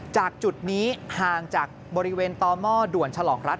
จุดนี้ห่างจากบริเวณต่อหม้อด่วนฉลองรัฐ